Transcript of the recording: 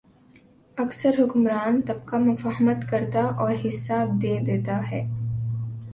اکثر حکمران طبقہ مفاہمت کرتا اور حصہ دے دیتا ہے۔